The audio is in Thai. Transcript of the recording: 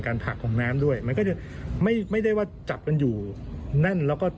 ผักของน้ำด้วยมันก็จะไม่ไม่ได้ว่าจับกันอยู่แน่นแล้วก็